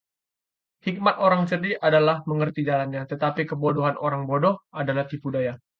Hikmat orang cerdik adalah mengerti jalannya, tetapi kebodohan orang bodoh adalah tipu daya.